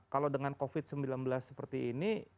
kalau dengan covid sembilan belas seperti ini